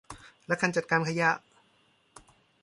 และการจัดการขยะ